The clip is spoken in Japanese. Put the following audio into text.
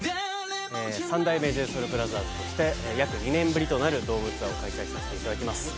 三代目ＪＳＯＵＬＢＲＯＴＨＥＲＳとして約２年ぶりとなるドームツアーを開催させていただきます